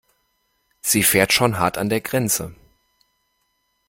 Sie fährt schon hart an der Grenze.